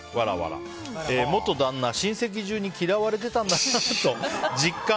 元旦那、親戚中に嫌われてたんだなと実感。